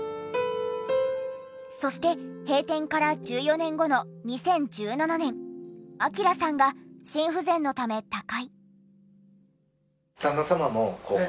そして閉店から１４年後の２０１７年章さんが心不全のため他界。